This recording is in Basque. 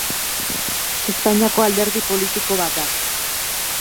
Espainiako alderdi politiko bat da.